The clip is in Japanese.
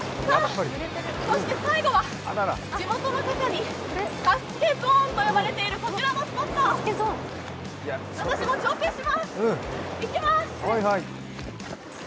そして最後は、地元の方にサスケゾーンと呼ばれているこちらのスポット、私も挑戦します。